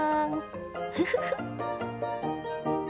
フフフ。